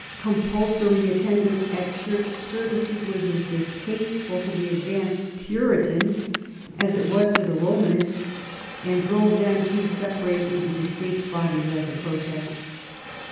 Compulsory attendance at Church services was as distasteful to the advanced Puritans as it was to the Romanists, and drove them to separate into distinct bodies as a protest.